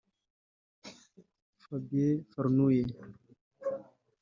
Fabien Farnulle